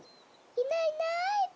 いないいない。